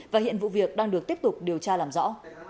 và hiện vụ việc đang được tiếp tục điều tra làm rõ